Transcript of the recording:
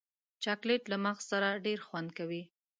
چاکلېټ له مغز سره ډېر خوند کوي.